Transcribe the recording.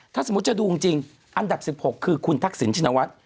ถ้าสมมุติจะดูจริงอันดับ๑๖คือคุณทักษิณชินวัฒน์